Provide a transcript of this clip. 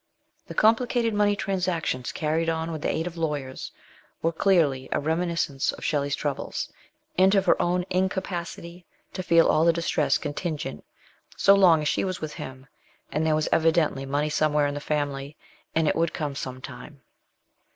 i The complicated money transactions carried on with the aid of lawyers were clearly a reminiscence of Shelley's troubles, and of her own incapacity to feel all the distress contingent so long as she was with him, and there was evidently money somewhere in the family, and it would come some time.